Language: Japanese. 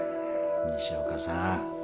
西岡さん